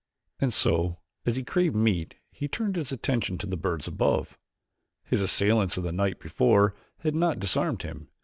And so, as he craved meat, he turned his attention to the birds above him. His assailants of the night before had not disarmed him.